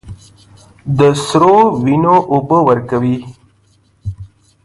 د سرو، وینو اوبه ورکوي